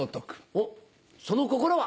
おっその心は？